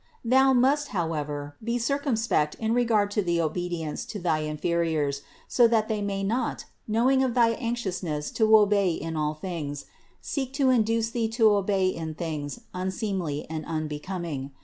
242. Thou must, however, be circumspect in regard to the obedience to thy inferiors, so that they may not, knowing of thy anxiousness to obey in all things, seek to induce thee to obey in things unseemly and unbecom ing.